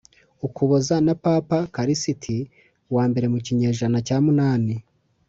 ukuboza na papa kalisiti wa mbermu kinyejana cya munani